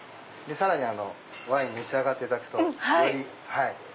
さらにワイン召し上がっていただくとより。